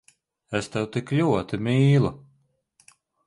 Es tevi tik ļoti mīlu…